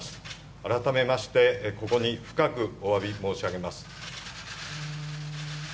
改めまして、ここに深くおわび申し上げます。